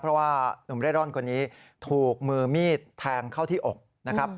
เพราะว่าหนุ่มเร่ร่อนคนนี้ถูกมือมีดแทงเข้าที่อกนะครับ